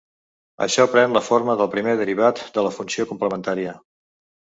Això pren la forma del primer derivat de la funció complementària.